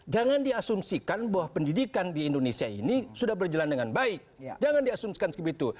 jangan diasumsikan bahwa pendidikan di indonesia ini sudah berjalan dengan baik jangan diasumsikan seperti itu